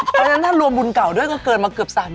เพราะฉะนั้นถ้ารวมบุญเก่าด้วยก็เกินมาเกือบ๓๐๐๐